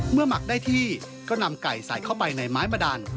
หมักได้ที่ก็นำไก่ใส่เข้าไปในไม้ประดัน